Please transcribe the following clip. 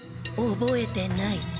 覚えてない。